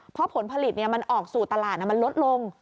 เพราะผลผลิตมันออกสู่ตลาดมันลดลง